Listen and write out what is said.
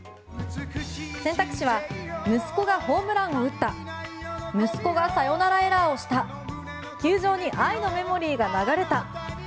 選択肢は息子がホームランを打った息子がサヨナラエラーをした球場に「愛のメモリー」が流れた。